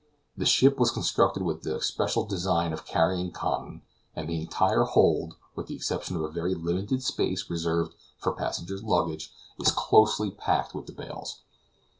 The ship was constructed with the especial design of carrying cotton, and the entire hold, with the exception of a very limited space reserved for passenger's luggage, is closely packed with the bales.